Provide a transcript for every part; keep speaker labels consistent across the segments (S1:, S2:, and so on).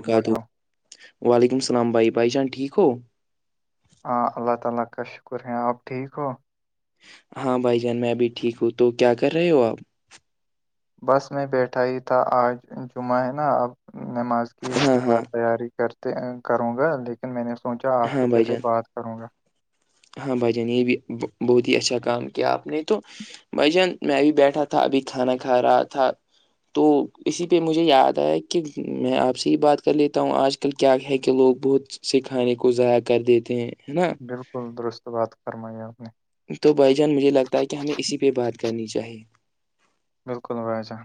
S1: اللہ ہو۔
S2: وعلیکم السلام بھائی بھائی جان ٹھیک ہو
S1: ہاں اللہ تعالی کا شکر ہے آپ ٹھیک ہو
S2: ہاں بھائی جان میں ابھی ٹھیک ہوں تو کیا کر رہے ہو آپ
S1: بس میں بیٹھا ہی تھا آج جمعہ ہے نا اب نماز کہ اس
S2: ہاں
S1: کے
S2: ہاں
S1: بعد تیاری کرتے کروں گا لیکن میں نے سوچا آپ
S2: ہاں
S1: سے
S2: بھائی
S1: پہلے
S2: جان
S1: بات کروں گا
S2: ہاں بھائی جان یہ بھی بہت ہی اچھا کام کیا آپ نے تو بھ جان میں ابھی بیٹھا تھا ابھی کھانا کھا رہا تھا تو اسی پہ مجھے یاد آیا کہ میں آپ سے ہی بات کر لیتا ہوں آج کل کیا ہے کہ لوگ بہت سے کھانے کو ضائع کر دیتے ہیں ہے نا
S1: بالکل درست بات فرمائی آپ نے
S2: تو بھائی جان مجھے لگتا ہے کہ ہمیں اسی پہ بات کرنی چاہیے
S1: بالکل بھائی جان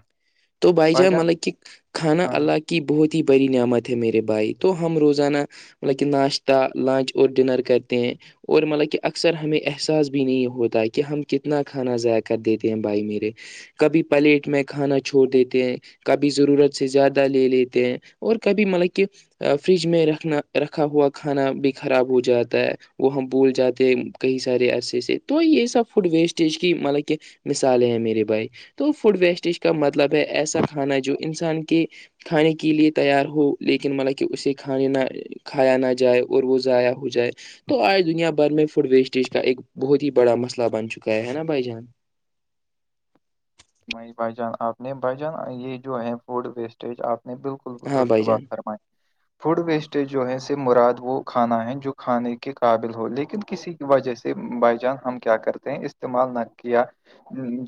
S2: تو بھائی جا ملک کی کھانا
S1: ہاں جی
S2: اللہ کے کی بہت ہی بڑری نعمت ہے میرے بھائی تو ہم روزانہ مطلب کہ ناشتہ لنچ اور ڈنر کرتے ہیں اور مطلب کہ اکثر ہمیں احساس بھی نہیں ہوتا کہ ہم کتنا کھانا ضائ کر دیتے ہیں بھائی میرے کبھی پلیٹ میں کھانا چھوڑ دیتے ہیں کبھی ضرورت سے زیادہ لے لیتے ہیں اور کبھی مطلب کہ فریج میں رکھنا رکھا ہوا کھانا بھی خراب ہو جاتا ہے وہ ہم بھول جاتے ہیں کہیں سے سرے ایسے سےے تو یہ سب فوڈ ویسٹیج کی مطلب کہ مثالیں ہیں میرے بھائی تو فوڈ ویسٹیج کا مطلب ہے ایسا کھانا جو انسان کے کھانے کے لیے تیار ہو لیکن مطل کہ اسے کھانے نہ کھایا نہ جائے اور وہ ضائع ہو جائے تو آج دنیا بھر میں فوڈ ویسٹ اسٹیج کا ایک بہت ہی بڑا مسئلہ بن چکا ہے نا بھائی جان
S1: بائی بھائی جان آپ نے بھائی جان یہ جو ہے فوڈ ویسٹیج آپ نے بالکل بالکل
S2: ہاں
S1: درست
S2: بھائی
S1: بعات
S2: جان
S1: فرمائےے
S2: [inaudible]
S1: فوڈ ویسٹیج جو ہے س مراد وہ کھانا ہے جو کھانے کے قابل ہو لیکن کسی وجہ سے بائی جان ہم کیا کرتے ہیں استعمال نہ کیا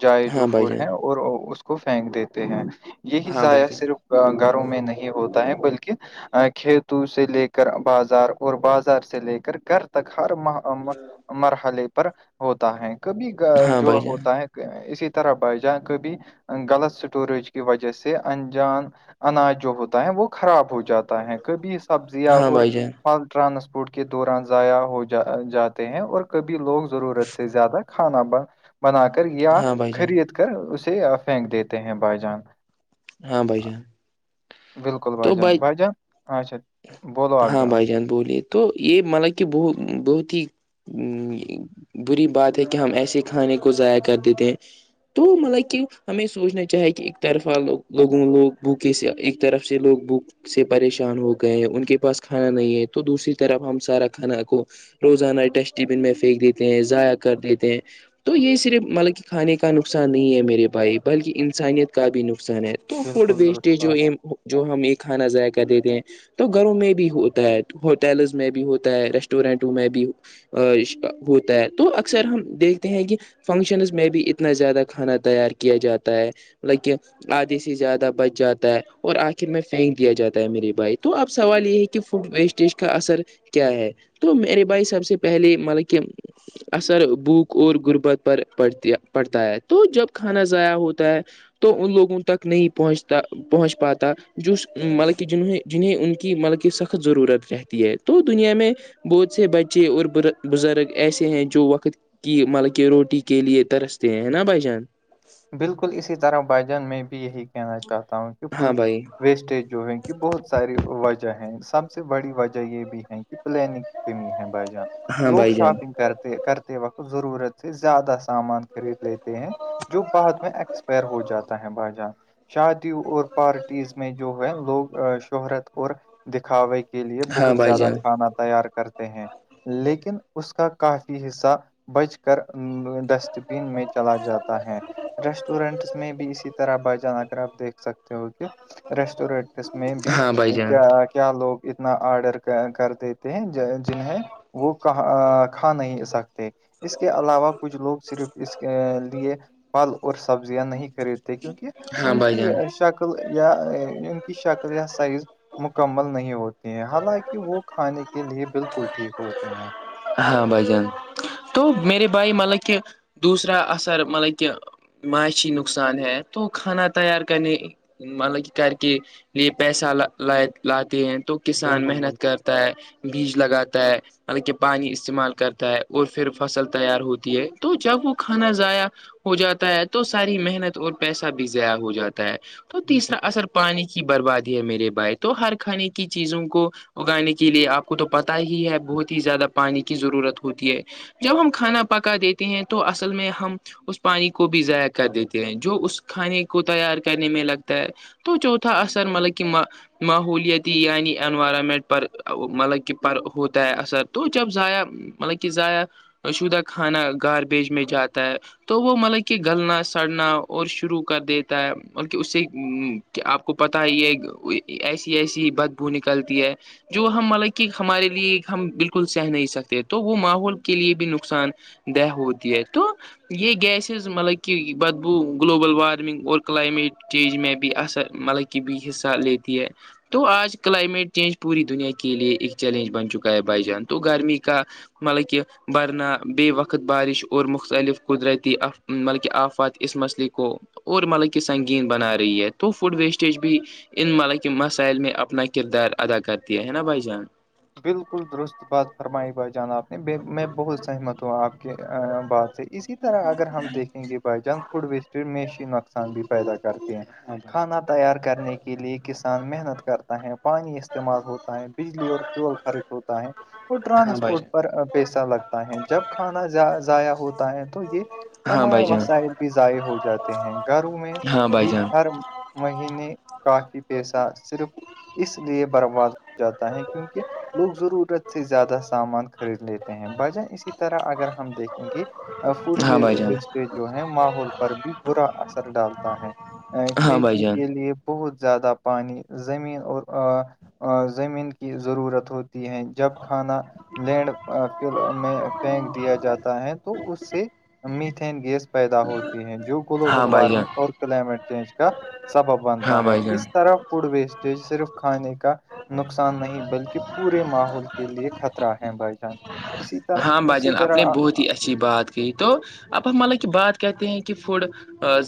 S1: جائے جو
S2: ہاں بھائی
S1: فوڈ
S2: جان
S1: ہے اور اس کو پھینک دیتے ہیں یہی
S2: ہاں بھائی
S1: ضائع
S2: جان
S1: صرف گھروں میں نہیں ہوتا ہے بلکہ کھیتوں سے لے کر بازار اور بازار سے لے کر گھر تک ہر ماہ مرحلے پر ہوتا ہے کبھی
S2: ہاں
S1: جو
S2: بھائی جان
S1: ہوتا ہے اسی طرح ب جاناں کبھی غلط اسٹوریج کی وجہ سے انجان اناج جو ہوتا ہے وہ خراب ہو جاتا ہے کبھی سبزیاں
S2: ہاں
S1: اور
S2: بھائی جان
S1: ٹرانسپورٹ کے دوران ضائع ہو جا جاتے ہیں اور کبھی لوگ ضرورت سے زیادہ کھانا بن بنا کر یا
S2: ہاں بھائی جان
S1: خرید کر اسے پھینک دیتے ہیں بھائی جان
S2: ہاں بھائی جان
S1: بالکل
S2: تو
S1: بائیجان
S2: بھائی
S1: بائیان اچھا بولو آپ
S2: ہاں بھائی جان بولیے تو یہ مطلب کہ ب بہت ہی ہ بری بات ہے کہ ہم ایسے کھانے کو ضائع کر دیتے ہیں تو مطلب کہ ہمیں سوچنا چاہے کہ ایک طرفہ لوگ لوگوں لوگ بکے سے ایک طرف سے لوگ بک سے پریشان ہو گئے ہیں ان کے پاس کھانا نہیں ہے تو دوسری طرف ہم سارا کھانا کو روزانہ ڈسٹ بن میں پھینک دیتے ہیں ضائع کر دیتے ہیں تو یہ صرف مطلب کہ کھانے کا نقصان نہیں ہے میرے بھائی بلکہ انسانیت کا بھی نقصان ہے تو فوڈ
S1: بالکل درست
S2: ویسٹ
S1: بات
S2: جو جو ہم یہ کھانا ضائق کر دیتے ہیں تو گھروں میں بھی ہوتا ہے ہوٹلز میں بھی ہوتا ہے ریسٹورینٹوں میں بھی ا ہوتا ہے تو اکثر ہم دیکھتے ہیں کہ فنکشنز میں بھی اتنا زیادہ کھانا تیار کیا جاتا ہے لائک آدھے سے زیادہ بچ جاتا ہے اور آخر میں پھینک دیا جاتا ہے میری بائک تو اب سوال یہ ہے کہ فوڈ ویسٹیج کا اثر کیا ہے تو میرے بھائی سب سے پہلے مطلب کہ اثر بھوک اور غربت پر پڑتی پڑتا ہے تو جب کھانا ضائع ہوتا ہے تو ان لوگوں تک نہیں پہنچتا پہنچ پاتا جو مطلب کہ جنہوںیں جنہیں ان کی ملکی سخت ضرورت رہتی ہے تو دنیا میں بہت سے بچے اور بزرگ ایسے ہیں جو وقت کہ مطلب کہ روٹی کے لیے ترستے ہیں نا بھ جان
S1: بالکل اسی طرح بائی جان میں بھی یہی کہنا چاہتا ہوں کہ
S2: ہاں بھائی
S1: ویسٹیج جو ہے کہ بہت ساری وجہ ہیں سب سے بڑی وجہ یہ بھی ہے کہ پلانگ نہیں ہیں بائی جان
S2: ہاں
S1: لوگ
S2: بھائی جان
S1: شاپنگ کرتے کرتے وقت ضرورت سے زیادہ سامان خرید لیتے ہیں جو بعد میں ایکسپائر ہو جاتا ہے باجار شادیوں اور پارٹیز میں جو ہے لوگ شہرت اور دکھاوے کے کے لیے
S2: ہاں
S1: بہت
S2: بھائی
S1: زیادہ
S2: جان
S1: کھانا تیار کرتے ہیں لیکن اس کا کافی حصہ بج کر ڈسٹ بین میں چلا جاتا ریسٹورینٹس میں بھی اسی طرح ب جان آ کر آپ دیکھ سکتے ہو گ ریسٹورینٹس میں بھی
S2: ہاں بھائی
S1: کیا
S2: جان
S1: کیا کیا لوگ اتنا آرڈر کر دیتے ہیں جنہیں وہ کہ کھا نہیں سکتے اس کے علاوہ کچھ لوگ صرف اس کے لیے پھل اور سبزیاں نہیں خریدتے کیونکہ
S2: ہاں
S1: ان
S2: بھائی
S1: کی
S2: جان
S1: شک شکل یا ان کی شکل یا سائز مکمل نہیں ہوتی حالانکہ وہ کھانے کے لیے بالکل ٹھیک ہوتے ہیں
S2: ہاں بھ جان تو میرے بھائی مطلب کہ دوسرا اثر مطلب کہ معاشی نقصان ہے تو کھانا تیار کرنے مطلب کہ کر کے یہ پیسہ ل لاتے ہیں تو کسان
S1: بالکل بالکل
S2: محنت کرتا ہے بیج لگاتا ہے مطلب کہ پانی استعمال کرتا ہے اور پھر فصل تیار ہوتی ہے تو جب وہ کھانا ضائع ہو جاتا ہے تو ساری محنت اور پیسہ بھی ضیاع ہو جاتا ہے تو
S1: بالکل
S2: تیسرا
S1: بالکل
S2: اثر پانی کی بربادی ہے میرے بائے تو ہر کھانے کی چیزوں کو اگانے کے لیے آپ کو تو پتا ہی ہے بہت ہی زیادہ پانی کی ضرورت ہوتی ہے جب ہم کھانا پکا دیتے ہیں تو اصل میں ہم اس پانی کو بھی ضائع کر دیتے ہیں جو اس کھانے کو تیار کرنے میں لگتا ہے تو چوتھا اثر مطلب کہ م ماحوولتی یعنی انوائرمنٹ پر مطلب کہ پر ہوتا ہے اثر تو جب ضائع مطلب کہ ضائع شدہ کھانا گاربیج میں جاتا ہے تو وہ مطلب کہ گلنا سڑنا اور شروع کر دیتا ہے مطلب کہ اس سے کہ آپ کو پتا یہ ایسی ایسی بدبو نکلتی ہے جو ہم مطلب کہ ہمارے لیے ہم بالکل بکل سہ نہیں سکتے تو وہ ماحول کے لیے بھی نقصان دہ ہوتی ہے تو یہ گیسز مطلب کہ بدبو گلوبل وارمنگ اور کلائمیٹ چینج میں بھی اثر مطلب کہ کی بھی حصہ لیتی ہے تو آج کلائمیٹ چینج پوری دنیا کے لیے ایک چیلنج بن چکا ہے بائی جان تو گرمی کا مطلب کہ بننا ب وقت بارش اور مختلف قدرتی آ مطلب کہ آفات اس مسئلے کو اور مطلب کہ سنگین بنا رہی ہے تو فوڈ ویسٹیج بھی ان مل کے مسائل میں اپنا کردار ادا کرتی ہے نا بھائی جان
S1: بالکل درست بات فرمائی بھائی جان آپ نے ب میں بہت سہمت ہا آپ کی بات اسی طرح اگر ہم دیکھیں گے بائی جان فوڈ ویسٹی میشی نقصان بھی پیدا کرتے ہیں کھانا تیار کرنے کے لیے کسان محنت کرتا ہے پانی استعمال ہوتا ہے بجلی فول خر ہوتا ہے اور
S2: ہاں بھائی
S1: ٹرانسپورٹ
S2: جان
S1: پر پیسہ لگتا ہے جب کھانا ضائع ہوتا ہے تو یہ
S2: ہاں بھائی
S1: تمام
S2: جان
S1: وسائل بھی ضائع ہو جاتے ہیں گھروں میں
S2: ہاں بھائی
S1: بھی
S2: جان
S1: ہر مہینے کافی پیسہ صرف اس لیے برباد ہو جاتا ہے کیونکہ لوگ ضرورت سے زیادہ سامان خرید لیتے ہیں بجن اسی طرح اگر ہم دیکھ کیونکہ فڈ
S2: ہاں بھائی جان
S1: ویسٹیج جو ہے ماحول پر بھی برا اثر ڈالتا ہے
S2: ہاں بھائی
S1: کھیتی
S2: جان
S1: کے لیے بہت زیادہ پانی زمین اور زمین کی ضرورت ہو ہیں جب کھانا لینڈ فل میں پھینک دیا جاتا ہے تو اس سے میتن گیس پیدا ہوتی ہے جو گلوبل
S2: ہاں بھائی جان ہاں بھائی جان
S1: وارمنگ اور کلائمیٹ چینج کا سبب
S2: ہاں
S1: بنتا ہے
S2: بھائی جان
S1: اس طرف فوڈ ویسٹیج صرف کھانے کا نقصان نہیں بلکہ پورے ماحول کے لیے خطرہ ہے بھائی جان اسی
S2: ہاں
S1: طرح اسی
S2: بھجن آپ نے
S1: طرح آ-
S2: بہت
S1: آ-
S2: ہی اچھی بات کہ تو اب ہم مطلب کہ بات کہتے ہیں کہ فڈ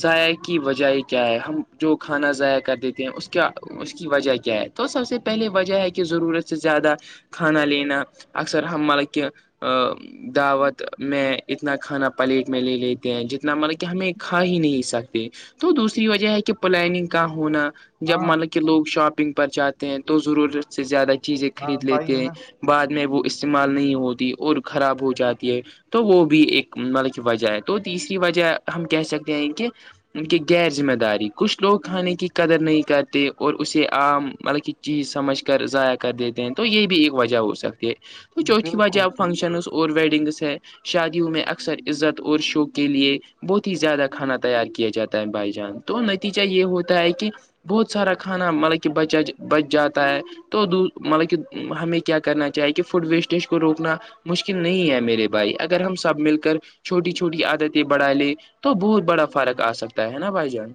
S2: ذائع کی وجہ کیا ہے ہم جو کھانا ضائع کر دیتے ہیں اس کیا اس کی وجہ کیا ہے تو سب سے پہلے وجہ ہے کہ ضرورت سے زیادہ کھانا لینا اکثر ہم ملب کہ ہ [unintelligible] دعوت میں اتنا کھانا پلیٹ میں لے لیتے ہیں جتنا مطلب کہ ہمیں کھا ہی نہیں سکتے تو دوسری وجہ ہے کہ پلاننگ کا ہونا جب
S1: ہاں
S2: مانا کہ لوگ شاپنگ پر جاتے ہیں تو ضرورت سے زیادہ چیزیں
S1: ہاں
S2: خرید
S1: بھائی
S2: لیتے
S1: ہے
S2: ہیں
S1: نا
S2: بعد میں وہ استعمال نہیں ہوتی اور خراب ہو جاتی ہے تو وہ بھی ایک مطلب کی وجہ ہے تو تیسری وجہ ہم کہہ سکتے ہیں کہ ان کی غیر ذمہ داری کچھ لوگ کھانے کی قدر نہیں کرتے اور اسے عام مطلب کہ چیز سمجھ کر ضائع کر دیتے ہیں تو یہ بھی ایک وجہ ہو سکتی ہے تو چوتھی وجہ
S1: بالکل
S2: آ
S1: بالکل
S2: اور ویڈنگس سے ہے شادیوں میں اکثر عزت اور شوق کے لیے بہت ہی زیادہ کھانا تیار کیا جاتا ہے بھائی جان تو نتیجہ یہ ہوتا ہے کہ بہت سارا کھانا مطلب کہ بچا بچ جاتا ہے تو مطلب کہ ہمیں کیا کرنا چاہیے کہ فوڈ ویسٹیج کو روکنا مشکل نہیں ہے میرے بھائی اگر ہم سب مل کر چھوٹی چھوٹی عادتیں بڑھا لے تو بہت بڑا فرق آ سکتا ہے نا بھائی جان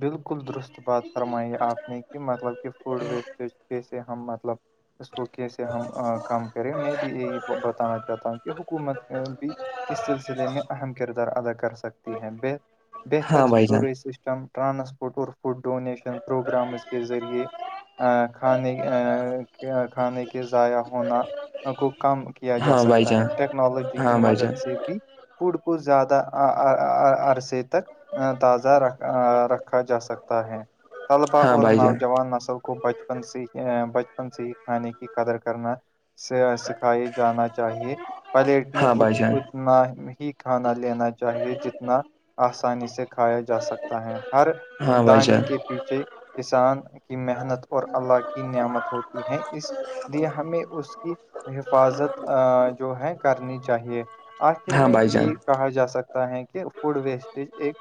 S1: بالکل درست بات فرمائی آپ نے کہ مطلب کہ فوڈ ویسٹیج کیسے ہم مطلب اس کو کیسے ہم کم کریں میں بھی یہی بتانا چاہتا ہوں کہ حکومت بھی اس سلسلے میں اہم کردار ادا کر سکتی ہیں
S2: ہاں بھائی جان
S1: بہتروری م ٹرانسپورٹ اور فڈ ڈونیشن پروگرامز کے ذریعے کھانے کھانے کے ضائع ہونا کو کم کیا جا
S2: ہاں بھائی
S1: سکتا ہے
S2: جان
S1: ٹیکنالوجی کی
S2: ہاں بھائی جان
S1: مدد سے فوڈ کو زیادہ عرصے تک تازہ رکھ رکھا جا سکتا ہے طلبا
S2: ہاں
S1: اور
S2: بھائی جان
S1: نوجوان نسل کو کو بچپن سے بچپن سے ہی کھا نے کی قدر کرنا سے سکھائی جانا چاہیے پلیٹ میں نہ ہی کھانا لینا چاہیے جتنا آسانی سے کھایا جا سکتا ہے ہر
S2: ہاں بھائی
S1: دانی
S2: جان
S1: کے پیچھے کسان کی محنت اور اللہ کی نعمت ہوتی ہے اس ج ہمیں اس کی حفاظت جو ہے کرنی چاہیے آخر
S2: ہاں
S1: میں
S2: بھائی جان ہاں بھائی جان
S1: یہ کہا جا سکتا ہے کہ فوڈ ویسٹیج ایک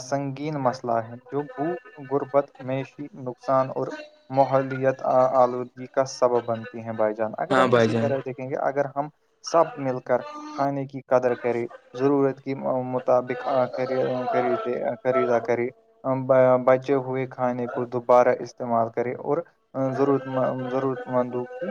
S1: سنگین مسئلہ جو بھوک غربت میشی نقصان اور ماحولت آلودگی کا سبب بنتی ہیں بھائی جان اگر
S2: ہاں
S1: ہم
S2: بھائی
S1: اسی
S2: جان
S1: طرح دیک اگر ہم سب مل کر کھانے کی قدر کرے ضرورت کی مطابق خد خرید خاریدا کرے بچے ہوئے کھانے کو دوبارہ استعمال کرے اور ضرورت ضرورت مندوں کی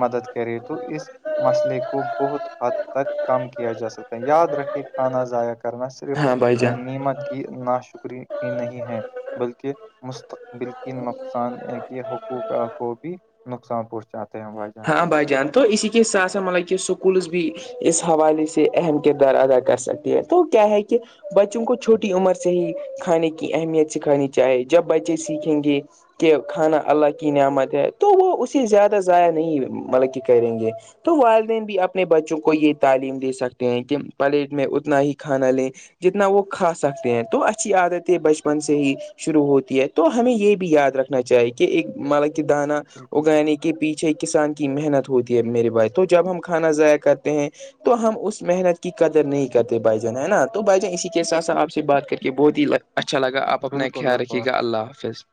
S1: مدد کرے تو اس مسئلے کو بہت حد تک کم کیا جا سکتا ہے یاد رکھے کھانا ضائع کرنا سے صرف
S2: ہاں بھائی جان
S1: نعمت کی نا شکری نہیں ہے بلکہ مستقبل کی نقصان ہے کہ حقوق کو بھی نقصان پہنچاتے ہیں بھائی جان
S2: ہاں بھائی جان تو اسی لیے سا سب مطلب کہ سکولز بھی اس حوالے سے اہم کردار ادا کر سکتی ہیں تو کیا ہے کہ بچوں کو چھوٹی عمر سے ہی کھانے کی اہمیت سکھانی چاہے جب بچے سیکھیں گے کہ کھانا اللہ کی نعمت ہے تو وہ اسے زیادہ ضائع نہیں مطلب کہ کریں گے تو والدین بھی اپنے بچوں کو یہ تعلیم دے سکتے ہیں کہ پلیٹ میں اتنا ہی کھانا لیں جتنا وہ کھا سکتے ہیں تو اچھی عادت ہے بچپن سے ہی شروع ہوتی ہے تو ہمیں یہ بھی یاد رکھنا چاہیے کہ ایک مطلا کہ دانا
S1: بالکل
S2: اگانے
S1: بالکل
S2: کے پیچھے ا کسان کی محنت ہوتی ہے میرے بائے تو جب ہم کھانا ضائع کرتے ہیں تو ہم اس محنت کی قدر نہیں کرتے بھ جن ہے نا تو بھ جن اسی کے ساتھ سھ آپ سے بات کر کے بہت ہی لگتا اچھا لگا آپ اپنا
S1: بالکل
S2: خیال رکھیے
S1: بالکل
S2: گا اللہ حافظ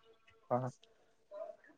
S1: ہاں